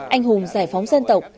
anh hùng giải phóng dân tộc